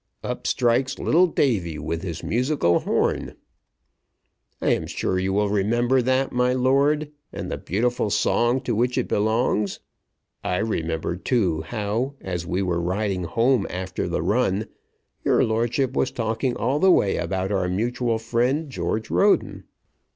"Up strikes little Davy with his musical horn." I am sure you will remember that, my lord, and the beautiful song to which it belongs. I remember, too, how, as we were riding home after the run, your lordship was talking all the way about our mutual friend, George Roden.